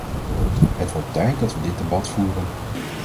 Het wordt tijd dat we dit debat voeren.